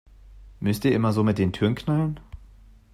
Müsst ihr immer so mit den Türen knallen?